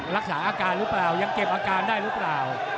รักษาอาการหรือเปล่ายังเก็บอาการได้หรือเปล่า